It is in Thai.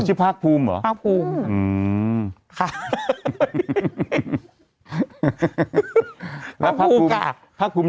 ชื่อภาคภูมิเหรอภาคภูมิอืมชื่อภาคภูมิเหรอภาคภูมิ